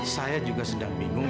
saya juga sedang bingung